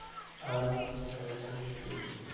Árabes, persas e turcos